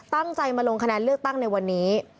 ตั้งใจมาลงคะแนนเลือกตั้งในวันนี้